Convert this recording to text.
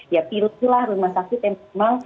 ya pilih pilihlah rumah sakit yang optimal